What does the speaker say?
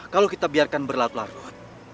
kalau kita biarkan berlarut larut